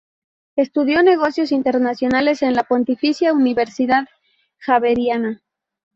Estudio negocios internacionales en la Pontificia Universidad Javeriana.